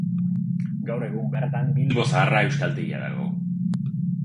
Gaur egun bertan Bilbo Zaharra euskaltegia dago.